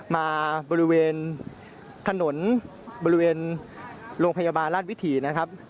บริเวณถนนบริเวณโรงพยาบาลราชวิถีนะครับ